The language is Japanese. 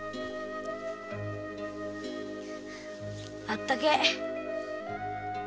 あったけぇ。